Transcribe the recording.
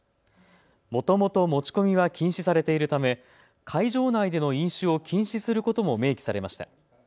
もともと持ち込みは禁止されているため会場内での飲酒を禁止することも明記されました。